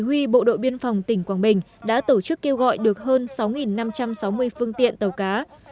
huy bộ đội biên phòng tỉnh quảng bình đã tổ chức kêu gọi được hơn sáu năm trăm sáu mươi phương tiện tàu cá